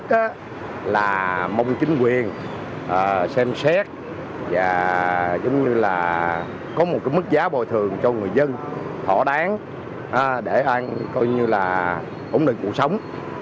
thứ nhất là mong chính quyền xem xét và giống như là có một cái mức giá bồi thường cho người dân thỏa đáng để coi như là ổn định cuộc sống